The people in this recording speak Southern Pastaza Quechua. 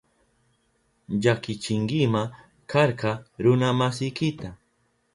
Llakichinkima karka runa masiykita.